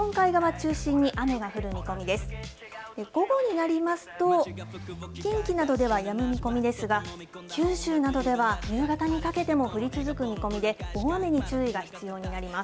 午後になりますと、近畿などではやむ見込みですが、九州などでは、夕方にかけても降り続く見込みで、大雨に注意が必要になります。